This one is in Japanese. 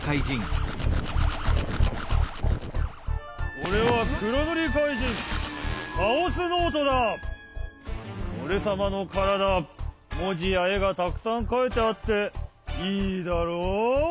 おれはおれさまのからだはもじやえがたくさんかいてあっていいだろう？